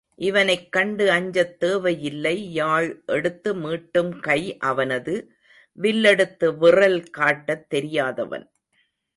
இவனைக் கண்டு அஞ்சத் தேவையில்லை யாழ் எடுத்து மீட்டும் கை அவனது, வில் எடுத்து விறல் காட்டத் தெரியாதவன்.